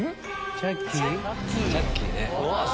チャッキーね。